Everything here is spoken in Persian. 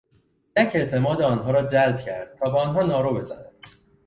جک اعتماد آنها را جلب کرد تا به آنها نارو بزند.